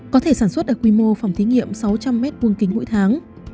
có thể sản xuất ở quy mô phòng thí nghiệm sáu trăm linh m hai kính mỗi tháng